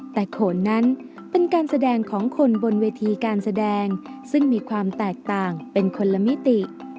แต่โขนนั้นเป็นการแสดงของคนบนเวทีการแสดงซึ่งมีความแตกต่างเป็นคนละมิติ